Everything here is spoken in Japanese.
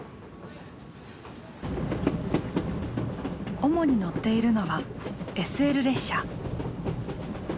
主に乗っているのはＳＬ列車。